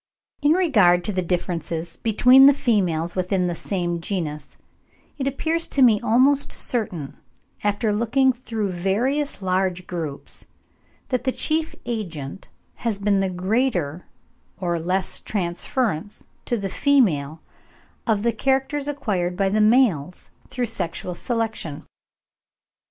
In regard to the differences between the females within the same genus, it appears to me almost certain, after looking through various large groups, that the chief agent has been the greater or less transference to the female of the characters acquired by the males through sexual selection.